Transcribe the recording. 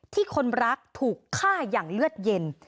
คนรักถูกฆ่าอย่างเลือดเย็น